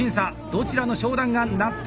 どちらの商談が納得